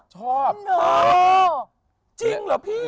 จริงหรอพี่